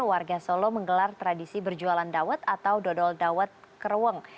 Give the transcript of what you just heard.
warga solo menggelar tradisi berjualan dawet atau dodol dawet kereweng